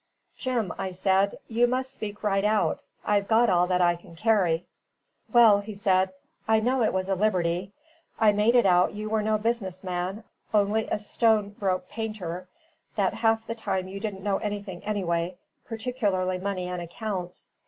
"Jim," I said, "you must speak right out. I've got all that I can carry." "Well," he said "I know it was a liberty I made it out you were no business man, only a stone broke painter; that half the time you didn't know anything anyway, particularly money and accounts.